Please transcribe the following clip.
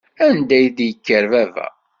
Anda i d-yekker baba.